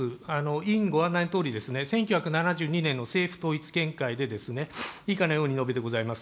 委員ご案内のとおり、１９７２年の政府統一見解で、以下のように述べてございます。